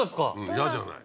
嫌じゃない。